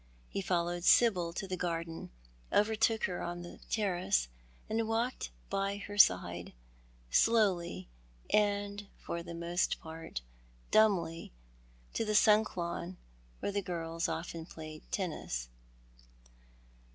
He followed Sibyl to the garden, overtook her on the terrace, and walked by her side, slowly and for the most part dumbly, to the sunk lawn, where the girls often i:)layed tennis.